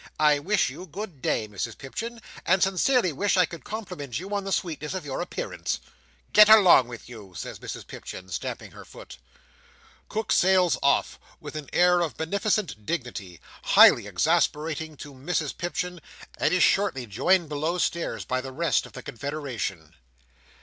I wish you good day, Mrs Pipchin, and sincerely wish I could compliment you on the sweetness of your appearance!" "Get along with you," says Mrs Pipchin, stamping her foot. Cook sails off with an air of beneficent dignity, highly exasperating to Mrs Pipchin, and is shortly joined below stairs by the rest of the confederation.